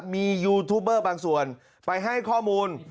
มียูทูบเบอร์บางส่วนไปให้ข้อมูล